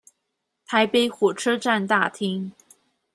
台北火車站大廳